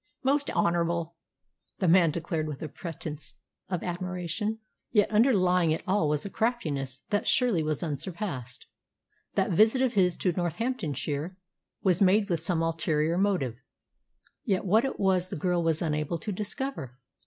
"Most honourable!" the man declared with a pretence of admiration, yet underlying it all was a craftiness that surely was unsurpassed. That visit of his to Northamptonshire was made with some ulterior motive, yet what it was the girl was unable to discover.